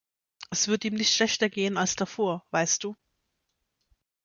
Es wird ihm nicht schlechter gehen als davor, weißt du.